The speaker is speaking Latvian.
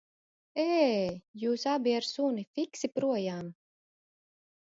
Ē, jūs abi ar suni, fiksi projām!